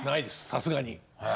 さすがに。